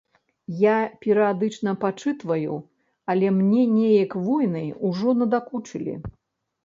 Я перыядычна пачытваю, але мне неяк войны ўжо надакучылі.